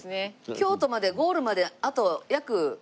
京都までゴールまであと約。